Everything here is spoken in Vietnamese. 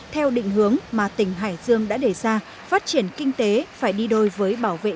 theo định hướng công ty đã tăng cường thanh kiểm tra hoạt động của các doanh nghiệp nhằm ngăn chặn những hành vi tác động xấu tới môi trường